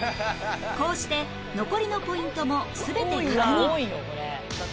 こうして残りのポイントも全て確認